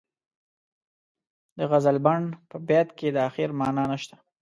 د غزلبڼ په بیت کې د اخر معنا نشته.